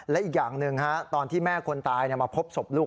และอีกอย่างหนึ่งตอนที่แม่คนตายมาพบศพลูก